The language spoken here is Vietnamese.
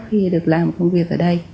khi được làm công việc ở đây